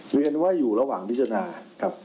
เรียนว่าอยู่ระหว่างพิจารณาครับ